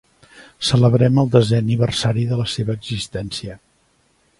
Celebrem el desè aniversari de la seva existència.